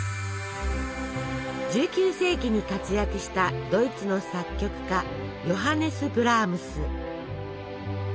１９世紀に活躍したドイツの作曲家ヨハネス・ブラームス。